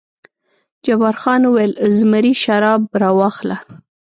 جبار خان وویل: زمري شراب راواخله.